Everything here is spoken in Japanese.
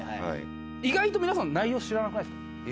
意外と皆さん内容知らなくないですか？